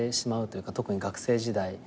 特に学生時代。